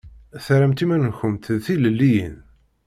Terramt iman-nkumt d tilelliyin.